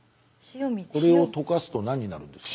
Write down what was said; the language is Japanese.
これを溶かすと何になるんですか？